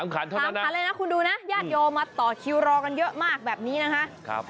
๓ขันเลยนะคุณดูนะญาติโยมมาต่อคิวรอกันเยอะมากแบบนี้นะคะ